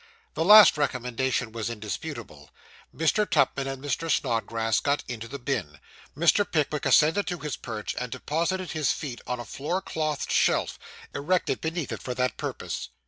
The last recommendation was indisputable. Mr. Tupman and Mr. Snodgrass got into the bin; Mr. Pickwick ascended to his perch, and deposited his feet on a floor clothed shelf, erected beneath it for that purpose.